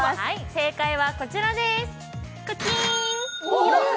正解はこちらです。